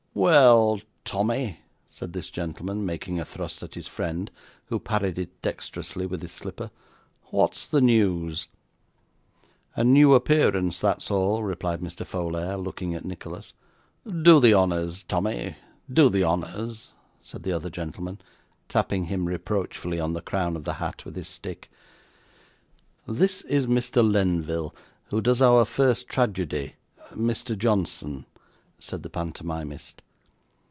'Well, Tommy,' said this gentleman, making a thrust at his friend, who parried it dexterously with his slipper, 'what's the news?' 'A new appearance, that's all,' replied Mr. Folair, looking at Nicholas. 'Do the honours, Tommy, do the honours,' said the other gentleman, tapping him reproachfully on the crown of the hat with his stick. 'This is Mr. Lenville, who does our first tragedy, Mr. Johnson,' said the pantomimist.